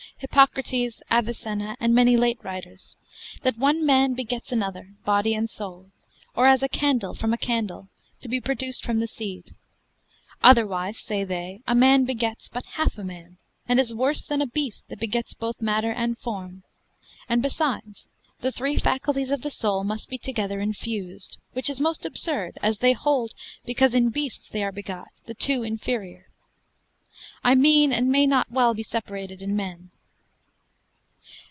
Hippocrates, Avicenna, and many late writers; that one man begets another, body and soul; or as a candle from a candle, to be produced from the seed: otherwise, say they, a man begets but half a man, and is worse than a beast that begets both matter and form; and, besides, the three faculties of the soul must be together infused, which is most absurd as they hold, because in beasts they are begot, the two inferior I mean, and may not be well separated in men.